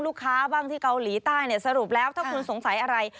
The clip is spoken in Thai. ลูกค้าบ้างที่เกาหลีใต้สรุปแล้วถ้าคุณสงสัยอะไร